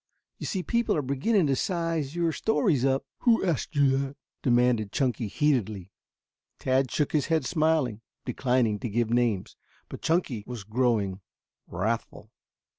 You see people are beginning to size your stories up." "Who asked you that?" demanded Chunky heatedly. Tad shook his head smiling, declining to give names. But Chunky was growing wrathful.